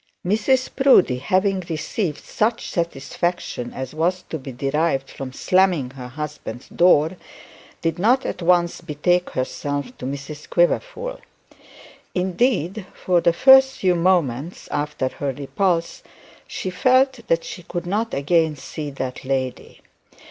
Mrs Proudie, having received such satisfaction as was to be derived from slamming her husband's door, did not at once betake herself to Mrs Quiverful. Indeed for the first few moments after her repulse she felt that she could not again see that lady.